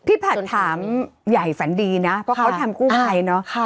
ผัดถามใหญ่ฝันดีนะเพราะเขาทำกู้ภัยเนอะ